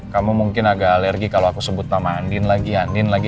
kamu mungkin agak alergi kalau aku sebut nama andien lagi andien lagi